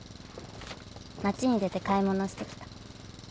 街に出て買い物してきた。